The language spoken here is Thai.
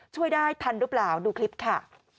ช่วยได้ทันหรือเปล่าดูคลิปค่ะ